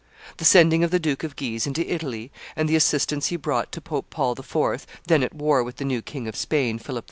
The sending of the Duke of Guise into Italy, and the assistance he brought to Pope Paul IV., then at war with the new King of Spain, Philip II.